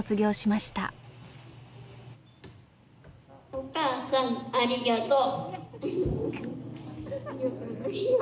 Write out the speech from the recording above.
「お母さんありがとう」。